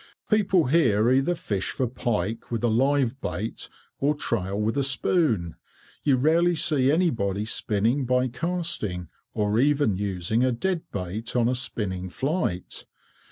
"People here either fish for pike with a live bait or trail with a spoon. You rarely see anybody spinning by casting, or even using a dead bait on a spinning flight.